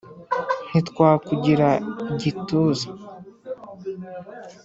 ntitwakugira igituza